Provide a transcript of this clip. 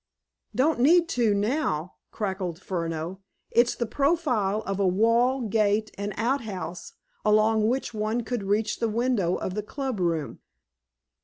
"Don't need to, now," cackled Furneaux. "It's the profile of a wall, gate, and outhouse along which one could reach the window of the club room.